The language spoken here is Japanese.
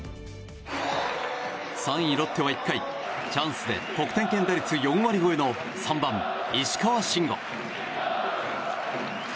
３位、ロッテは１回チャンスで得点圏打率４割超えの３番、石川慎吾。